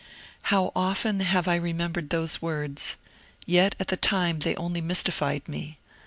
How often have I remembered those words ! Yet at the time they only mystified me.